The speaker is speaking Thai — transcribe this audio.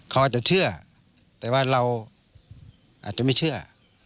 เขาอาจจะเชื่อแต่ว่าเราอาจจะไม่เชื่อ